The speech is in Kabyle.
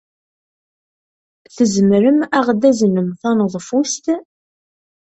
Tzemrem ad aɣ-d-taznem taneḍfust?